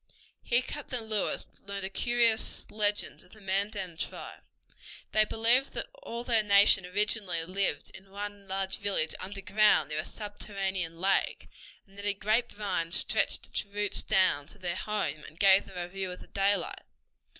Here Captain Lewis learned a curious legend of the Mandan tribe. They believed that all their nation originally lived in one large village underground near a subterranean lake, and that a grape vine stretched its roots down to their home and gave them a view of daylight.